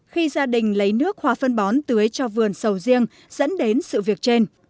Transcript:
khi gia đình lấy nước hoa phân bón tưới cho vườn sầu riêng dẫn đến sự việc trên